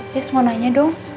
jess mau nanya dong